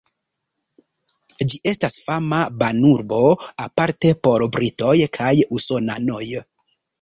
Ĝi estas fama banurbo, aparte por britoj kaj usonanoj.